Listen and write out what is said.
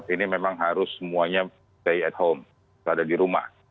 ini memang harus semuanya stay at home berada di rumah